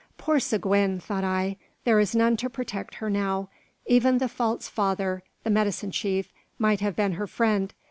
"Poor Seguin!" thought I: "there is none to protect her now. Even the false father, the medicine chief, might have been her friend.